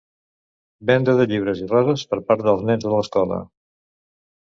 Venda de llibres i roses per part dels nens de l'escola.